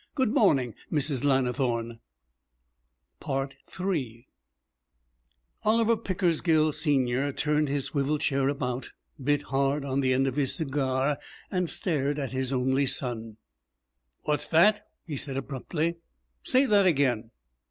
Good morning, Mrs. Lannithorne!' III Oliver Pickersgill Senior turned his swivel chair about, bit hard on the end of his cigar, and stared at his only son. 'What's that?' he said abruptly. 'Say that again.'